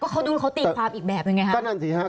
ก็ดูเขาตีความอีกแบบนึงไงครับ